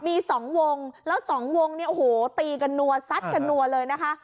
มีสองวงแล้วสองวงเนี่ยโอ้โหตีกันนัวซัดกันนัวเลยนะคะ